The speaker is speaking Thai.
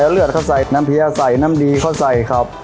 เลือดเขาใส่น้ำเพียใส่น้ำดีเขาใส่ครับ